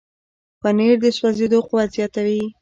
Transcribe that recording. پنېر د سوځېدو قوت زیاتوي.